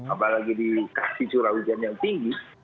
apalagi dikasih curah hujan yang tinggi